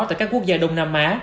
tại các quốc gia đông nam á